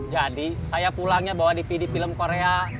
jadi saya pulangnya bawa di pd film korea